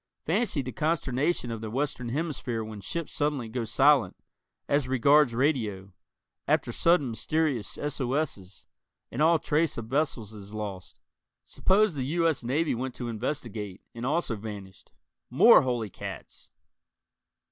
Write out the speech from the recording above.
Fancy the consternation of the Western Hemisphere when ships suddenly go silent, as regards radio, after sudden mysterious SOS's and all trace of vessels is lost. Suppose the U. S. Navy went to investigate, and also vanished. More holy cats!